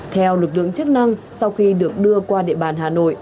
theo lực lượng chức năng sau khi được đưa qua địa bàn hà nội